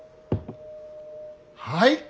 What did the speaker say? はい！